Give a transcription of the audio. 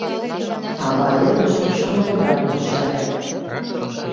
— ава эргыжым шымленрак ончале.